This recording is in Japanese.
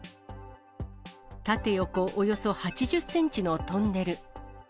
縦横およそ８０センチのトンネル。